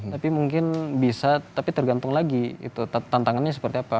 tapi mungkin bisa tapi tergantung lagi tantangannya seperti apa